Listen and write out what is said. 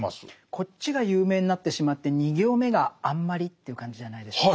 こっちが有名になってしまって２行目があんまりという感じじゃないでしょうか。